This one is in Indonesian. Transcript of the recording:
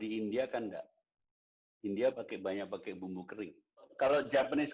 dan dia banyak menggunakan bawang buang baik